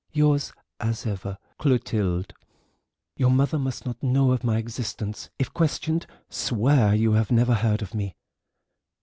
"Yours as ever, "CLOTILDE." "Your mother must not know of my existence. If questioned swear you never heard of me."